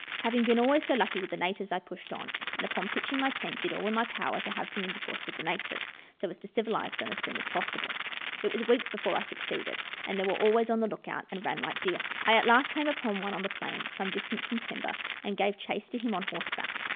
Having been always so lucky with the natives, I pushed on, and upon pitching my tent did all in my power to have some intercourse with the natives, so as to civilize them as soon as possible. It was weeks before I succeeded, as they were always on the look out, and ran like deer. I at last came upon one on the plains, some distance from timber, and gave chase to him on horseback.